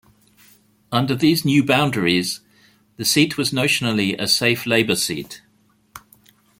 Under these new boundaries the seat was notionally a safe Labour seat.